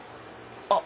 あっ！